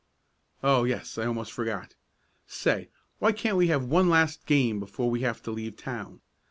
"Oh, yes, I almost forgot. Say, why can't we have one last game before we have to leave town?